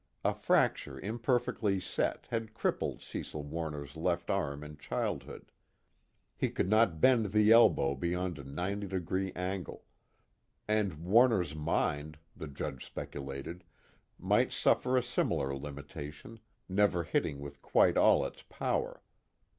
A fracture imperfectly set had crippled Cecil Warner's left arm in childhood; he could not bend the elbow beyond a ninety degree angle. And Warner's mind, the Judge speculated, might suffer a similar limitation, never hitting with quite all its power.